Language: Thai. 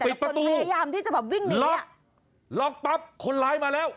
ปิดประตูล็อคล็อคปั๊บคนร้ายมาแล้ว